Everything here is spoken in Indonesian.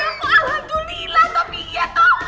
alhamdulillah tapi iya tuh